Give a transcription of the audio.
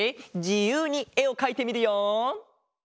じゆうにえをかいてみるよ！